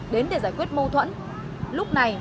đến để giải quyết mâu thuẫn lúc này